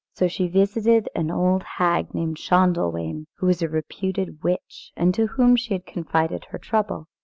So she visited an old hag named Schändelwein, who was a reputed witch, and to whom she confided her trouble.